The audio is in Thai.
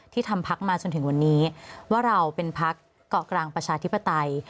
ที่ทำพรรคมาจนถึงวันนี้ว่าเราเป็นพรรคเหล่ากลางประชาธิปไตย